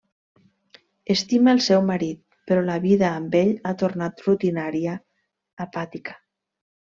Estima el seu marit, però la vida amb ell ha tornat rutinària, apàtica.